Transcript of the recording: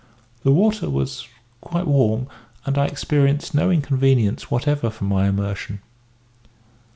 The water was quite warm, and I experienced no inconvenience whatever from my immersion.